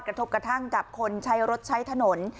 กระทบกระทั่งของเป็นคนใช้รถใช้ถนน